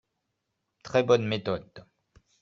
Très bonne méthode